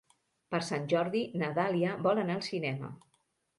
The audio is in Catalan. Per Sant Jordi na Dàlia vol anar al cinema.